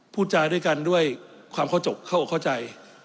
พูดจาด้วยกันด้วยความเข้าใจเข้าอกเข้าใจ